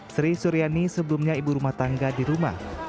sri suryani sebelumnya ibu rumah tangga di rumah